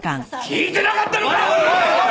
聞いてなかったのか！？